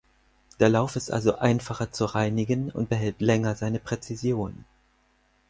Der Lauf ist also einfacher zu reinigen und behält länger seine Präzision.